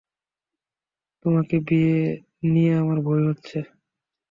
তোমাকে নিয়ে আমার ভয় হচ্ছে।